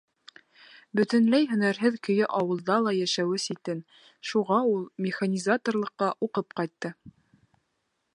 Бөтөнләй һөнәрһеҙ көйө ауылда ла йәшәүе ситен, шуға ул механизаторлыҡҡа уҡып ҡайтты.